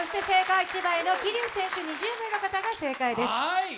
正解は１番、桐生選手２０名の方が正解です。